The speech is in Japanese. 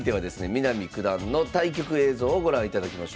南九段の対局映像をご覧いただきましょう。